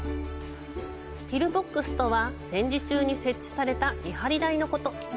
ピルボックスとは戦時中に設置された見張り台のこと。